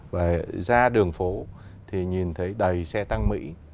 và ra đường phố thì nhìn thấy đầy xe tăng mỹ